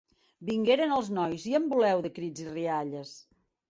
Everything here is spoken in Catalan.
Vingueren els nois, i en voleu, de crits i rialles!